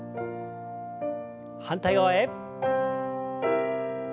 反対側へ。